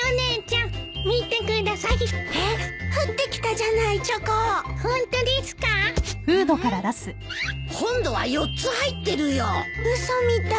んっ？今度は４つ入ってるよ。嘘みたい。